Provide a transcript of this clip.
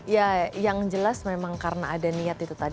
ya yang jelas memang karena ada niat itu tadi